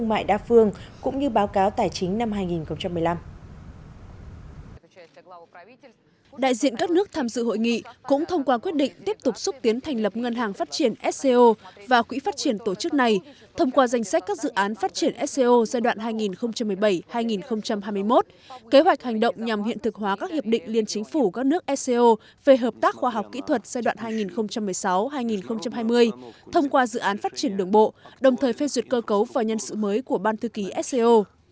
đại diện các nước tham dự hội nghị cũng thông qua quyết định tiếp tục xúc tiến thành lập ngân hàng phát triển sco và quỹ phát triển tổ chức này thông qua danh sách các dự án phát triển sco giai đoạn hai nghìn một mươi bảy hai nghìn hai mươi một kế hoạch hành động nhằm hiện thực hóa các hiệp định liên chính phủ các nước sco về hợp tác khoa học kỹ thuật giai đoạn hai nghìn một mươi sáu hai nghìn hai mươi thông qua dự án phát triển đường bộ đồng thời phê duyệt cơ cấu và nhân sự mới của ban thư ký sco